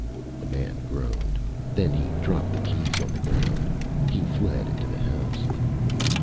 The man groaned. Then he dropped the keys on the ground. He fled into the house.